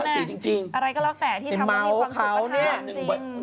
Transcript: อะไรก็แล้วแต่ที่ทำให้มีความสุขประเทศจริง